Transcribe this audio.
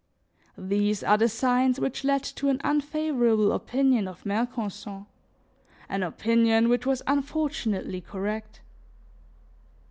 These are the signs which led to an unfavorable opinion of Mercanson, an opinion which was unfortunately correct.